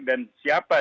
dan siapa di dalamnya